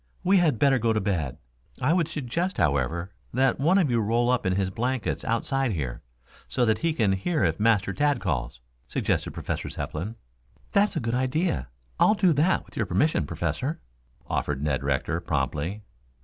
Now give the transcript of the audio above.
We had better go to bed. I would suggest, however, that one of you roll up in his blankets outside here, so that he can hear if Master Tad calls," suggested Professor Zepplin. "That's a good idea. I'll do that, with your permission, Professor," offered Ned Rector promptly.